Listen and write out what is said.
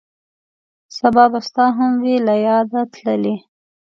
سبا به ستا هم وي له یاده تللی